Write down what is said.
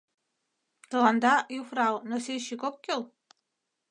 — Тыланда, юфрау, носильщик ок кӱл?